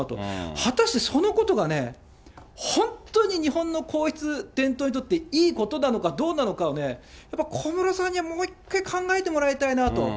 果たしてそのことが本当に日本の皇室、伝統にとっていいことなのかどうなのかは、やっぱり小室さんにはもう一回考えてもらいたいなと。